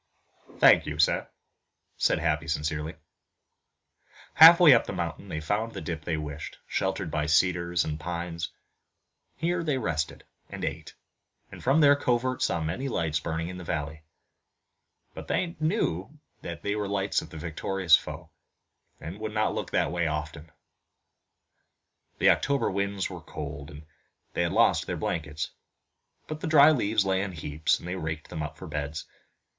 "Thank you, sir," said Happy sincerely. Half way up the mountain they found the dip they wished, sheltered by cedars and pines. Here they rested and ate, and from their covert saw many lights burning in the valley. But they knew they were the lights of the victorious foe, and they would not look that way often. The October winds were cold, and they had lost their blankets, but the dry leaves lay in heaps, and they raked them up for beds.